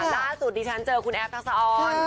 ล่าสุดดิฉันเจอคุณแอฟทักษะออน